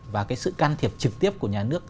và sự can thiệp trực tiếp của nhà nước